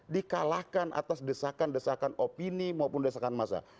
dikalahkan atas desakan desakan opini maupun desakan masa